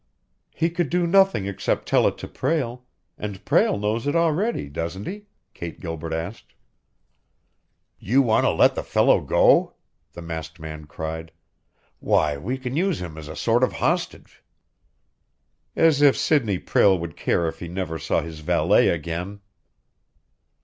"He could do nothing except tell it to Prale and Prale knows it already, doesn't he?" Kate Gilbert asked. "You want to let the fellow go?" the masked man cried. "Why, we can use him as a sort of hostage!" "As if Sidney Prale would care if he never saw his valet again!"